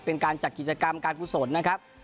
เป็นการจัดกิจกรรมการกุศลนะครับ